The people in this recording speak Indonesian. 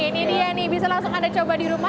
ini dia nih bisa langsung anda coba di rumah